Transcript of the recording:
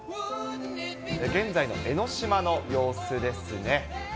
現在の江の島の様子ですね。